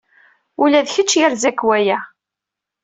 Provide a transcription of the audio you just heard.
Ula d kečč yerza-k waya.